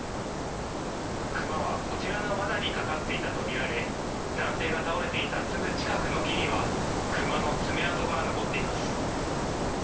クマはこちらのわなにかかっていたと見られ、男性が倒れていたすぐ近くの木にはクマの爪痕が残っています。